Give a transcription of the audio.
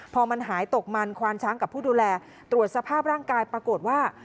พอมันหายตกมันควานช้างกับผู้ดูแลตรวจสภาพร่างกายปรากฏว่า